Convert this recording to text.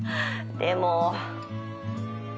でも。